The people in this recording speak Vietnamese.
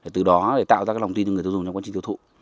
từ đó tạo ra lòng tin cho người tiêu dùng trong quá trình tiêu thụ